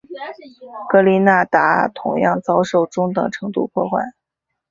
格林纳达同样遭受中等程度破坏。